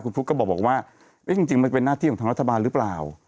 คุณฟุ๊กก็บอกว่าจริงมันเป็นหน้าที่ของทางรัฐบาลหรือเปล่า